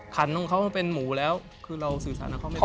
ขันของเขามันเป็นหมูแล้วคือเราสื่อสารกับเขาไม่ได้